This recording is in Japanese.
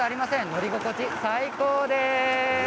乗り心地は最高です。